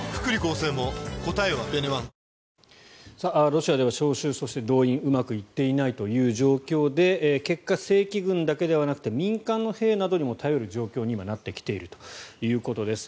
ロシアでは招集そして動員がうまくっていないという状況で結果、正規軍だけではなくて民間の兵にも頼る状況に今、なってきているということです。